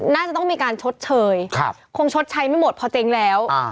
น่าจะต้องมีการชดเชยคงชดใช้ไม่หมดพอเจ๊งแล้ว